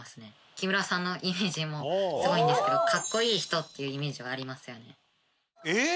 木村さんのイメージもすごいんですけどかっこいい人っていうイメージはありますよね。